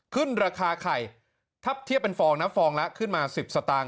ขึ้นราคาไข่ถ้าเทียบเป็นฟองนะฟองละขึ้นมา๑๐สตางค